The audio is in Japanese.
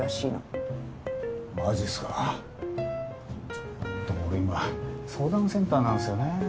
ちっでも俺今相談センターなんすよね。